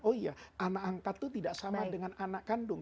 oh iya anak angkat itu tidak sama dengan anak kandung